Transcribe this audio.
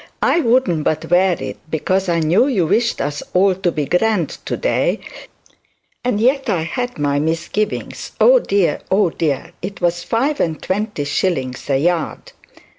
I wouldn't but wear it because I know you wished us all to be grand to day; and yet I had my misgivings. Oh dear, oh dear! It was five and twenty shillings a yard.'